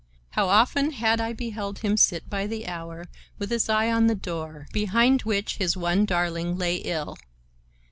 How often had I beheld him sit by the hour with his eye on the door behind which his one darling lay ill!